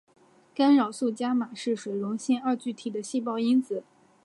干扰素伽玛是水溶性二聚体的细胞因子。